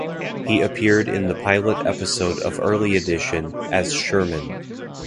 He appeared in the pilot episode of "Early Edition" as Sherman.